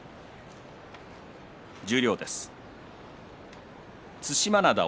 十両です。